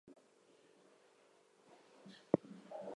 The hotel had the first elevator in Chandler.